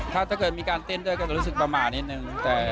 ถ้าเกิดมีการเต้นด้วยก็จะรู้สึกประมาทนิดนึง